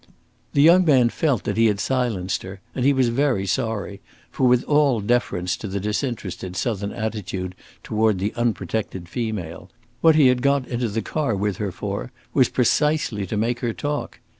The young man felt that he had silenced her, and he was very sorry; for, with all deference to the disinterested Southern attitude toward the unprotected female, what he had got into the car with her for was precisely to make her talk.